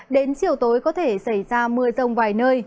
đến chiều tối có thể xảy ra mưa rông vài nơi